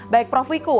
baik prof wiku